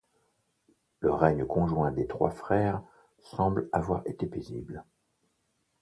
Le règne conjoint des trois frères semble avoir été paisible.